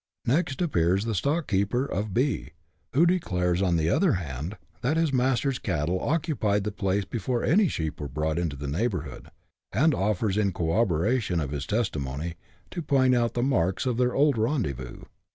Next appears the stockkeeper of B., who declares on the other hand that his master's cattle occupied the place before any sheep were brought into the neighbourhood, and offers, in cor roboration of his testimony, to point out the marks of their old " rendezvous."